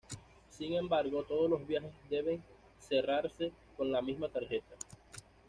Sin embargo todos los viajes deben "cerrarse" con la misma tarjeta.